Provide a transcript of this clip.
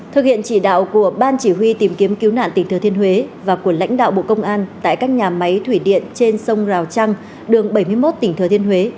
thực hiện chỉ đạo của ban chỉ huy tìm kiếm cứu nạn tỉnh thừa thiên huế và của lãnh đạo bộ công an tại các nhà máy thủy điện trên sông rào trăng đường bảy mươi một tỉnh thừa thiên huế